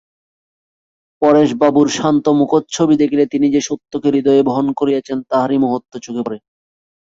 পরেশবাবুর শান্ত মুখচ্ছবি দেখিলে তিনি যে সত্যকে হৃদয়ে বহন করিয়াছেন তাহারই মহত্ত্ব চোখে পড়ে।